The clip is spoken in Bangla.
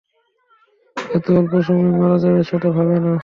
এতো অল্প বয়েসে মারা যাবে সেটা ভাবেনা।